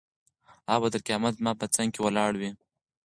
هغه به تر قیامته زما په څنګ کې ولاړه وي.